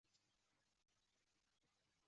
细纹蚬蝶属是蚬蝶亚科蚬蝶族里的一个属。